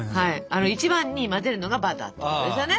あの一番に混ぜるのがバターということですよね。